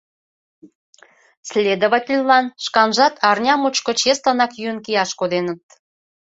Следовательлан шканжат арня мучко чеслынак йӱын кияш коденыт.